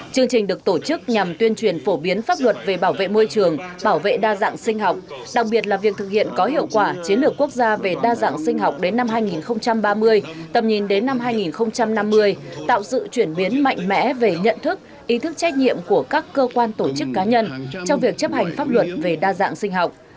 chương trình được tổ chức nhằm tuyên truyền phổ biến pháp luật về bảo vệ môi trường bảo vệ đa dạng sinh học đặc biệt là việc thực hiện có hiệu quả chiến lược quốc gia về đa dạng sinh học đến năm hai nghìn ba mươi tầm nhìn đến năm hai nghìn năm mươi tạo sự chuyển biến mạnh mẽ về nhận thức ý thức trách nhiệm của các cơ quan tổ chức cá nhân trong việc chấp hành pháp luật về đa dạng sinh học